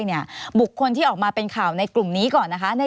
หมุกคนที่ออกมาเป็นข่าวในกลุ่มนี้ก่อน